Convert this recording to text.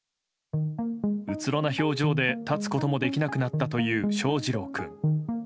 うつろな表情で立つこともできなくなったという翔士郎君。